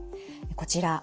こちら。